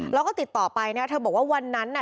แล้วก็ติดต่อไปนะเธอบอกว่าวันนั้นน่ะ